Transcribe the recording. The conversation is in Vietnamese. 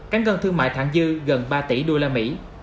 cánh gân thương mại thẳng dư gần ba tỷ usd